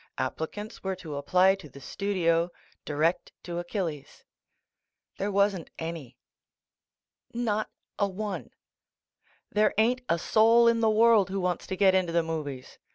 Applicants were to apply to the studio, direct to Achilles. There wasn't any. Not a one. There ain't a soul in the world who wants to get into the movies.